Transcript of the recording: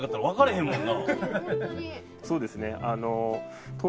そうですね。